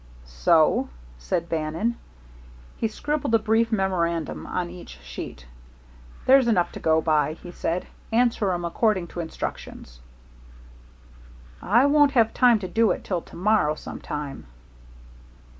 "So?" said Bannon. He scribbled a brief memorandum on each sheet. "There's enough to go by," he said. "Answer 'em according to instructions." "I won't have time to do it till to morrow some time."